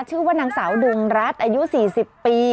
ชื่อว่านางสาวดุงรัฐอายุ๔๐ปี